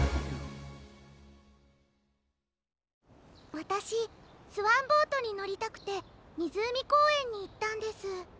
わたしスワンボートにのりたくてみずうみこうえんにいったんです。